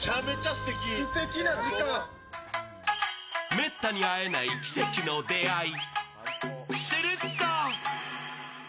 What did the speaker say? めったに会えない奇跡の出会い。